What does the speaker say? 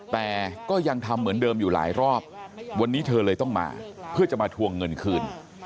แต่ก็ยังทำเหมือนเดิมอยู่หลายรอบวันนี้เธอเลยต้องมาเพื่อจะมาทวงเงินคืน